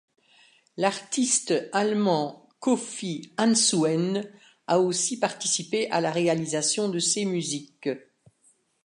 L'artiste allemand Kofi Ansuhenne a aussi participé à la réalisation de ces musiques.